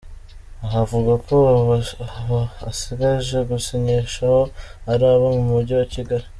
Aha avuga ko abo asigaje gusinyishaho ari abo mu mujyi wa Kigali.